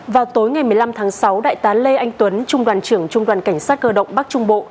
vào tối ngày một mươi năm tháng sáu đại tá lê anh tuấn trung đoàn trưởng trung đoàn cảnh sát cơ động bắc trung bộ